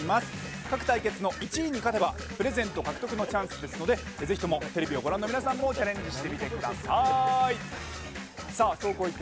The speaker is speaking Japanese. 各対決の１位に勝てばプレゼント獲得のチャンスなのでぜひともテレビをご覧の皆さんもチャレンジしてください。